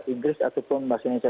inggris ataupun bahasa indonesia